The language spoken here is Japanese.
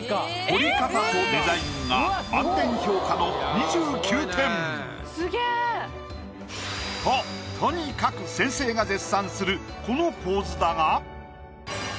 彫り方とデザインが満点評価の２９点。ととにかく先生が絶賛するこの構図だが。